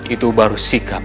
itu baru sikap